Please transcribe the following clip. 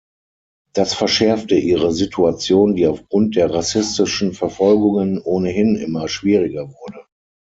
Das verschärfte ihre Situation, die aufgrund der rassistischen Verfolgungen ohnehin immer schwieriger wurde.